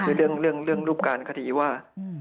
คือเรื่องรูปการคดีว่า